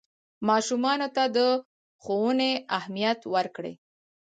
ماشومانو ته د ښوونې اهمیت ورکړئ.